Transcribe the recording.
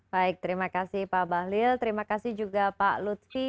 baik terima kasih pak bahlil terima kasih juga pak lutfi